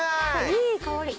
いい香り。